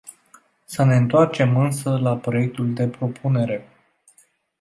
Să ne întoarcem însă la proiectul de propunere.